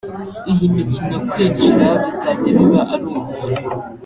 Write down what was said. Iyi mikino kwinjira bizajya biba ari ubuntu